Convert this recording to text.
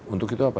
untuk itu apa